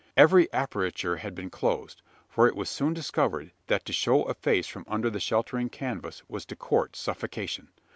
Every aperture had been closed: for it was soon discovered, that to show a face from under the sheltering canvas was to court suffocation.